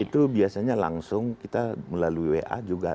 itu biasanya langsung kita melalui wa juga